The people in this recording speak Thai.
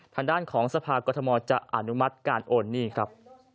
ทางด้านของสภากรทมจะอนุมัติการโอนหนี้ครับ